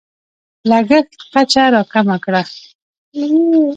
لګښت کچه راکمه کړه.